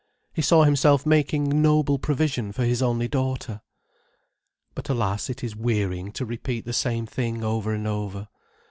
He saw himself making noble provision for his only daughter. But alas—it is wearying to repeat the same thing over and over.